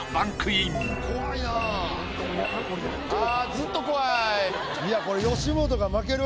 ずっと怖い。